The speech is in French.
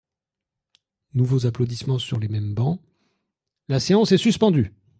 (Nouveaux applaudissements sur les mêmes bancs.) La séance est suspendue.